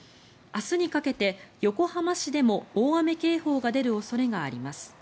明日にかけて横浜市でも大雨警報が出る恐れがあります。